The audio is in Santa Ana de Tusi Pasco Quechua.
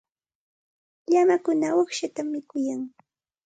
Llamakuna uqshatam mikuyan.